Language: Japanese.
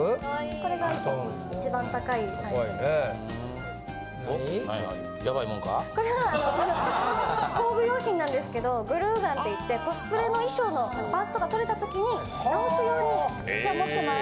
これは工具用品なんですけどグルーガンっていってコスプレの衣装のパーツとか取れた時に直すように一応持ってます。